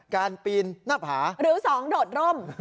การปีนหน้าผาหรือ๒โดดร่ม